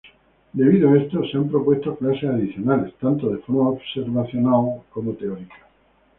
Debido a esto se han propuesto clases adicionales, tanto de forma observacional como teórica.